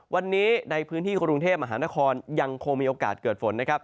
วันนี้ในพื้นที่กรุงเทพมหานครยังคงมีโอกาสเกิดฝนนะครับ